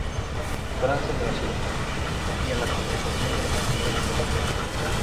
Francia de la ciudad, y a la contratación de las primeras profesoras.